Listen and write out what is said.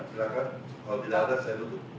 silahkan kalau tidak ada saya duduk